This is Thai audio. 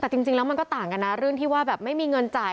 แต่จริงแล้วมันก็ต่างกันนะเรื่องที่ว่าแบบไม่มีเงินจ่าย